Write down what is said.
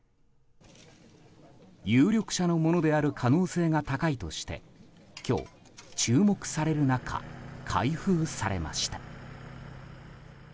有力者のものである可能性が高いとして今日、注目される中開封されました。